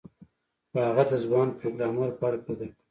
خو هغه د ځوان پروګرامر په اړه فکر کاوه